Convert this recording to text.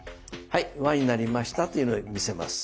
「はい輪になりました」っていうので見せます。